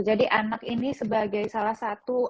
jadi anak ini sebagai salah satu